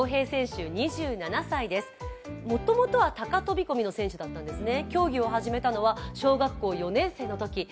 もともとは高飛び込みの選手だったんですね。